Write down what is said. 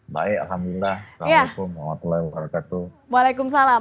baik alhamdulillah assalamu alaikum wa alaikumussalam